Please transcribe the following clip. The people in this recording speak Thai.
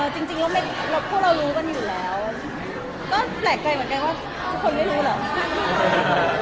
จริงแล้วพวกเรารู้กันอยู่แล้วก็แปลกใจเหมือนกันว่าทุกคนไม่รู้เหรอ